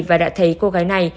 và đã thấy cô gái này